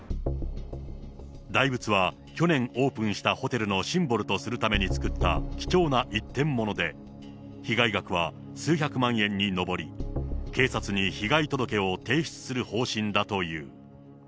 大仏は去年オープンしたホテルのシンボルとするために作った貴重な一点もので、被害額は数百万円に上り、警察に被害届を提出する方針だという。